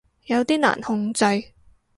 有啲難控制